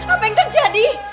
apa yang terjadi